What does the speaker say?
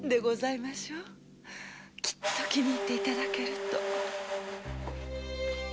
きっと気に入って頂けると。